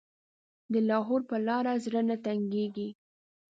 د لاهور په لاره زړه نه تنګېږي.